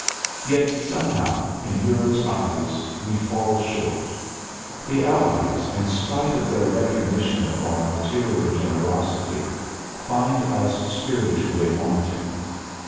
Yet, somehow, in Europe's eyes we fall short. The Allies, in spite of their recognition of our material generosity, find us spiritually wanting.